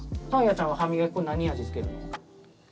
ちゃんは歯みがき粉何味つけるの？